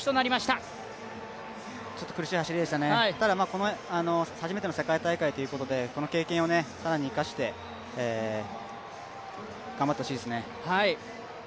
ただ、初めての世界大会ということでこの経験を更に生かして頑張ってほしいですね。